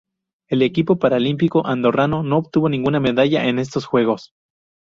El equipo paralímpico andorrano no obtuvo ninguna medalla en estos Juegos.